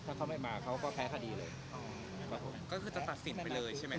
ถ้าเขาไม่มาเขาก็แพ้คดีเลยอ๋อครับผมก็คือจะตัดสินไปเลยใช่ไหม